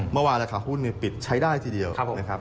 เมื่อวานราคาหุ้นปิดใช้ได้ทีเดียวนะครับ